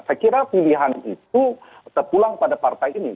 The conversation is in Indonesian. saya kira pilihan itu sepulang pada partai ini